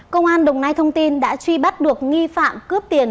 công an đồng nai thông tin đã truy bắt được nghi phạm cướp tiền